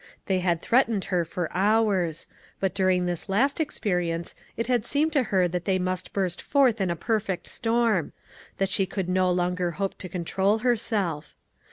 They had threat ened her for hours ; but during this last experience it had seemed to her that they must burst forth in a perfect storm ; that she could no longer hope to control her self.